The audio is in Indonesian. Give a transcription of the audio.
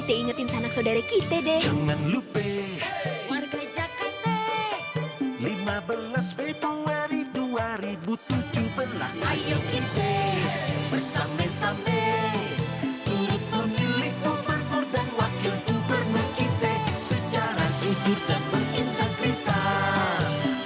saya ikut memilih umur dan wakil untuk berkecantik secara jujur dan menintegritas